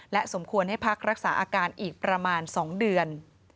สมควรให้พักรักษาอาการอีกประมาณ๒เดือน